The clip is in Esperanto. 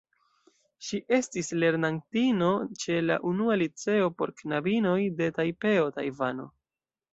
Ŝi estis lernantino ĉe la Unua Liceo por Knabinoj de Tajpeo, Tajvano.